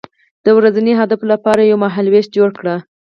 د ورځني اهدافو لپاره یو مهالویش جوړ کړه.